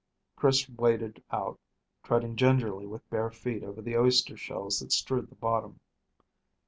Chris waded out, treading gingerly with bare feet over the oyster shells that strewed the bottom.